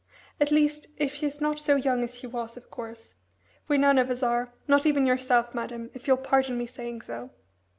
At least, if she's not so young as she was, of course we none of us are, not even yourself, madam, if you'll pardon me saying so."